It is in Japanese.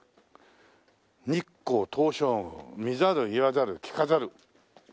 日光東照宮見ざる言わざる聞かざる。